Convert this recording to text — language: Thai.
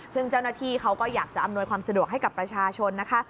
ซึ่งเจ้าหน้าที่เขาก็อยากจะอำนวยความสะดวกให้กับประชาชนนะคะ